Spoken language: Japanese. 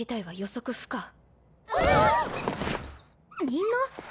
みんな？